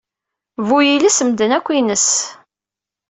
Bu yiles, medden akk ines.